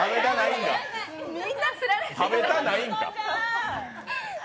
食べたないんか？